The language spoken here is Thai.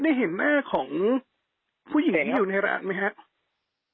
ได้เห็นหน้าของผู้หญิงที่อยู่ในร้านไหมครับ